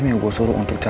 yang ini ya